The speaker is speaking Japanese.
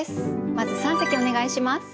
まず三席お願いします。